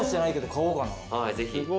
はいぜひ。